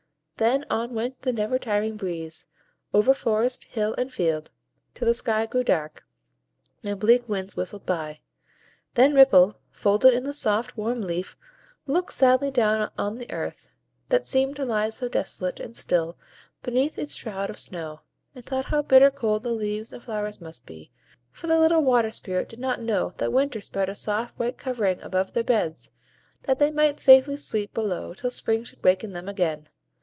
Then on went the never tiring Breeze, over forest, hill, and field, till the sky grew dark, and bleak winds whistled by. Then Ripple, folded in the soft, warm leaf, looked sadly down on the earth, that seemed to lie so desolate and still beneath its shroud of snow, and thought how bitter cold the leaves and flowers must be; for the little Water Spirit did not know that Winter spread a soft white covering above their beds, that they might safely sleep below till Spring should waken them again.